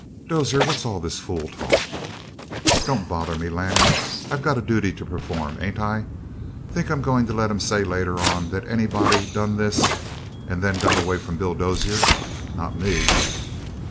"Dozier, what's all this fool talk?" "Don't bother me, Lanning. I got a duty to perform, ain't I? Think I'm going to let 'em say later on that anybody done this and then got away from Bill Dozier? Not me!"